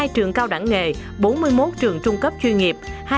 một mươi trường cao đẳng nghề bốn mươi một trường trung cấp chuyên nghiệp